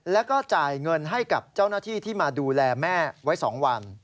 แล้วก็จ่ายเงินให้กับเจ้าหน้าที่ที่มาดูแลแม่ไว้๒วัน